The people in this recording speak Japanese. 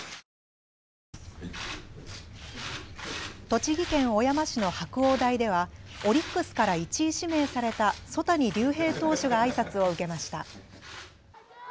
栃木県小山市の白鴎大ではオリックスから１位指名された曽谷龍平投手があいさつを受けました。